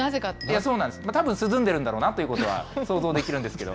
そうなんです、たぶん涼んでるんだなというのは、想像できるんですけど。